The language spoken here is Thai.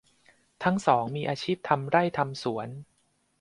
ทั้งสองมีอาชีพทำไร่ทำสวน